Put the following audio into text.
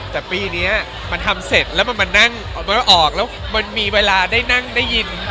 แต่ปีนี้มันทำเสร็จแล้วมันมานั่งออกแล้วมันมีเวลาได้นั่งได้ยิน